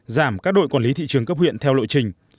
giảm các đội quản lý tỷ trường cấp huyện theo lội trình